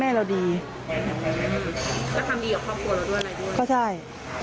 แล้วทำดีกับครอบครัวเราด้วยอะไรด้วย